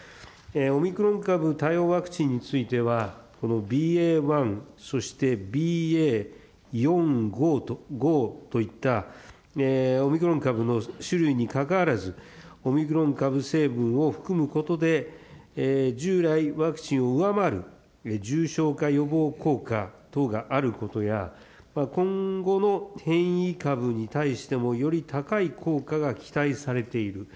オミクロン株対応ワクチンについては、ＢＡ．１、そしてＢＡ．４、５といったオミクロン株の種類にかかわらず、オミクロン株成分を含むことで、従来ワクチンを上回る重症化予防効果等があることや、今後の変異株に対しても、より高い効果が期待されている。